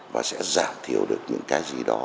và sẽ giảm thiểu được những cái gì đó